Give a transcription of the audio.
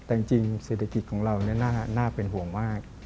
แต่จริงเศรษฐกิจของเราน่าเป็นห่วงมาก